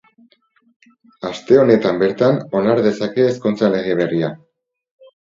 Aste honetan bertan onar dezake ezkontza lege berria.